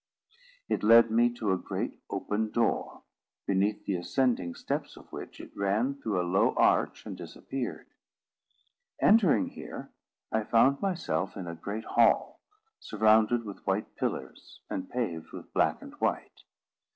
It led me to a great open door, beneath the ascending steps of which it ran through a low arch and disappeared. Entering here, I found myself in a great hall, surrounded with white pillars, and paved with black and white.